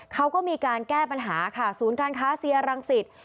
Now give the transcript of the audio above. เขาก็มีการแก้ปัญหาค่ะศูนย์การค้าเซียรังสิต